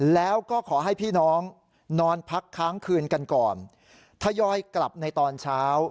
แล้วก็ขอให้พี่น้องนอนพักค้างคืนกันก่อนทยอยกลับในตอนเช้า